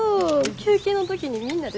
休憩の時にみんなで食べるな。